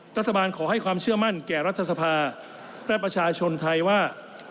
ขอให้ความเชื่อมั่นแก่รัฐสภาและประชาชนไทยว่า